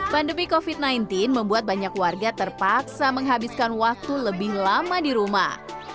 pandemi covid sembilan belas membuat banyak warga terpaksa menghabiskan waktu lebih lama di rumah